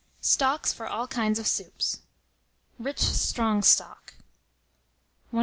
_] STOCKS FOR ALL KINDS OF SOUPS. RICH STRONG STOCK. 104.